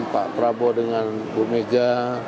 pak prabowo dengan bu mega